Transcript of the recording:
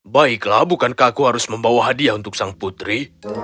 baiklah bukankah aku harus membawa hadiah untuk sang putri